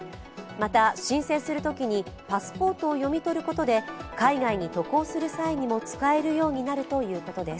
また、申請するときにパスポートを読み取ることで海外に渡航する際にも使えるようになるということです。